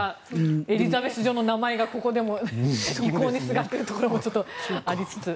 エリザベス女王の名前がここでも威光にすがっているところもありつつ。